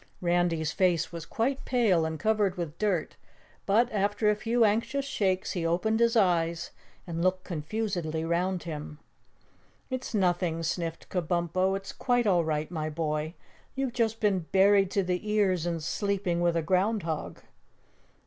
Randy's face was quite pale and covered with dirt, but after a few anxious shakes he opened his eyes and looked confusedly round him. "It's nothing," sniffed Kabumpo. "It's quite all right, my boy. You've just been buried to the ears and sleeping with a ground hog."